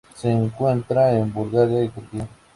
Se encuentra en Bulgaria y Turquía.